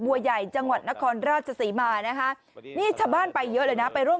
บัวใหญ่จังหวัดนครราชศรีมานะคะนี่ชาวบ้านไปเยอะเลยนะไปร่วม